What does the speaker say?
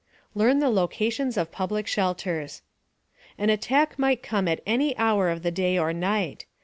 LEARN THE LOCATIONS OF PUBLIC SHELTERS An attack might come at any hour of the day or night.